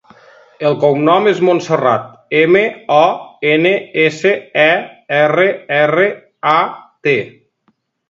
El cognom és Monserrat: ema, o, ena, essa, e, erra, erra, a, te.